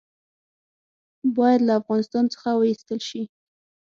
باید له افغانستان څخه وایستل شي.